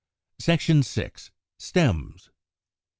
Section VI. STEMS.